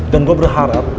dan gua berharap